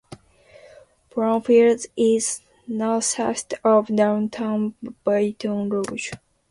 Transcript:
Brownfields is northeast of downtown Baton Rouge.